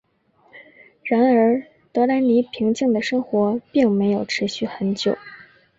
然而德莱尼平静的生活并没有持续很久。